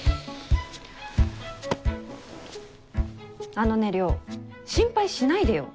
あのね稜心配しないでよ。